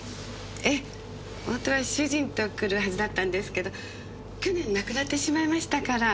ええホントは主人と来るはずだったんですけど去年亡くなってしまいましたから。